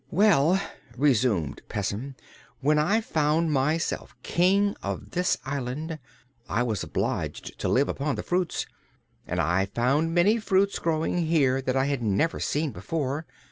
"Well," resumed Pessim, "when I found myself King of this island I was obliged to live upon fruits, and I found many fruits growing here that I had never seen before.